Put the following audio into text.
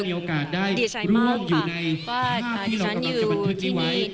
โดยก่อนที่เธอจะขึ้นทำการแสดงค่ะเธอได้ให้สัมภาษณ์กับทีมข่าวบันเทิงไทยรัฐ